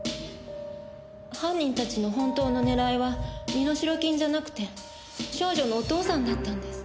犯人たちの本当の狙いは身代金じゃなくて少女のお父さんだったんです。